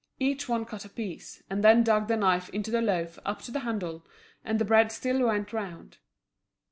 Each one cut a piece, and then dug the knife into the loaf up to the handle; and the bread still went round.